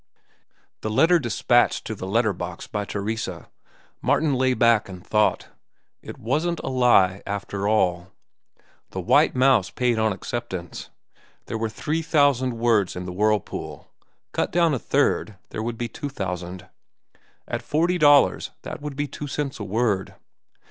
The letter despatched to the letter box by Teresa, Martin lay back and thought. It wasn't a lie, after all. The White Mouse paid on acceptance. There were three thousand words in "The Whirlpool." Cut down a third, there would be two thousand. At forty dollars that would be two cents a word.